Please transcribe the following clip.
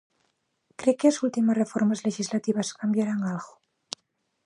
Cre que as últimas reformas lexislativas cambiarán algo?